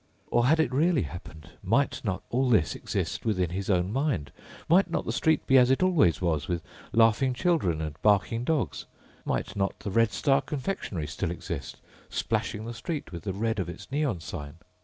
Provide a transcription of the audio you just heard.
Or had it really happened? Might not all this exist within his own mind? Might not the street be as it always was, with laughing children and barking dogs? Might not the Red Star confectionery still exist, splashing the street with the red of its neon sign?